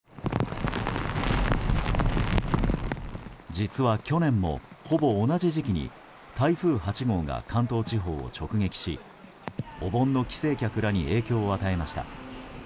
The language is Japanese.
実は去年も、ほぼ同じ時期に台風８号が関東地方を直撃しお盆の帰省客らに影響を与えました。